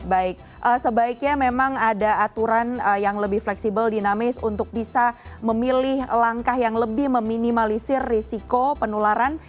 baik sebaiknya memang ada aturan yang lebih fleksibel dinamis untuk bisa memilih langkah yang lebih meminimalisir risiko penularan